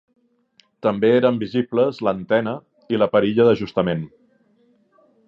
També eren visibles l'antena i la perilla d'ajustament.